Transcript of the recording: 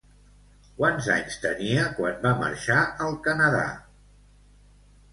Quants anys tenia quan va marxar al Canadà?